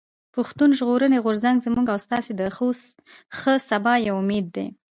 پښتون ژغورني غورځنګ زموږ او ستاسو د ښه سبا يو امېد دی.